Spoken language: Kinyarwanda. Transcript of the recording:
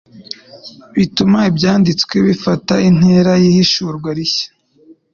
bituma Ibyanditswe bifata intera y'ihishurwa rishya.